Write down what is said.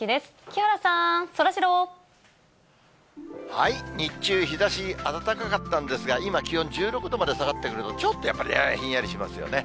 木原さん、日中、日ざし、暖かかったんですが、今、気温１６度まで下がってくると、ちょっとやっぱりひんやりしますよね。